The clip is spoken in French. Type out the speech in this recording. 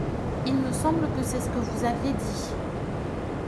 Il me semble que c’est ce que vous aviez dit.